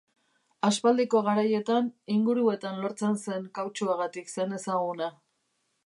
Aspaldiko garaietan, inguruetan lortzen zen kautxuagatik zen ezaguna.